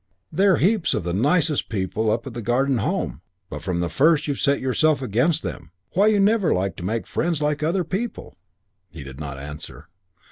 There're heaps of the nicest people up at the Garden Home, but from the first you've set yourself against them. Why you never like to make friends like other people!" He did not answer.